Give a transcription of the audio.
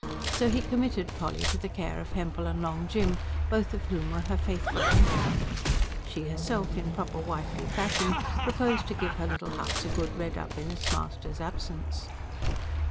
So he committed Polly to the care of Hempel and Long Jim, both of whom were her faithful henchmen. She herself, in proper wifely fashion, proposed to give her little house a good red up in its master's absence.